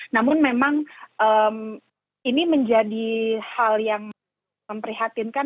namun memang ini menjadi hal yang memprihatinkan